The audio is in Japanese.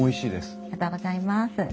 ありがとうございます。